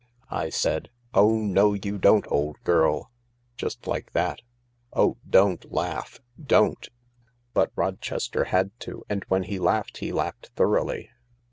" I said, ' Oh no, you don't, old girl ! '—just ^ tbat Oh, don't laugh don't 1 " 234 THE LARK But Rochester had to. And when he laughed, he laughed thoroughly.